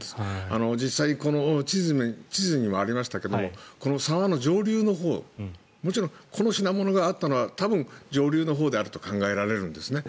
実際この地図にもありましたけどもこの沢の上流のほうもちろん、この品物があったのは多分、上流のほうであると考えられるんですね。